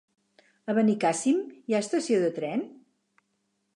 A Benicàssim hi ha estació de tren?